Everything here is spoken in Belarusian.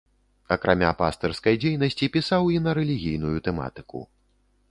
Акрамя пастырскай дзейнасці, пісаў і на рэлігійную тэматыку.